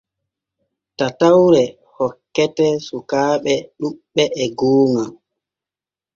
Tatawre hokkete sukaaɓe ɗuuɓɓe e gooŋa.